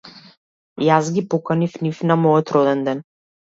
Јас ги поканив нив на мојот роденден.